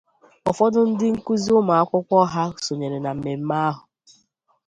ụfọdụ ndị nkụzi ụmụakwụkwọ ha sonyere na mmemme ahụ